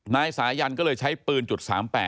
นายสายันก็เลยใช้ปืนจุด๓๘